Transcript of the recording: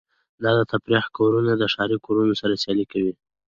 دا د تفریح کورونه د ښاري کورونو سره سیالي کوي